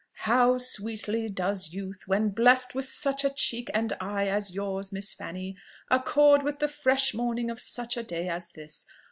"How sweetly does youth, when blessed with such a cheek and eye as yours, Miss Fanny, accord with the fresh morning of such a day as this!